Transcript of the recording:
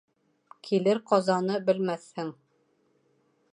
Килер ҡазаны белмәҫһең.